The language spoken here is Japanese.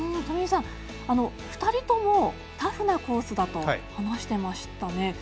富井さん、２人ともタフなコースだと話してました。